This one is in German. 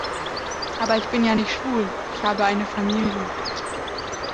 Aber ich bin ja nicht schwul, ich habe eine Familie.